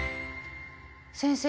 先生